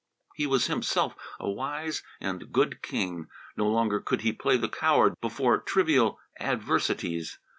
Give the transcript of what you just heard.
He was himself a wise and good king. No longer could he play the coward before trivial adversities.